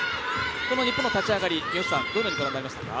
この日本の立ち上がり、どうご覧になりましたか？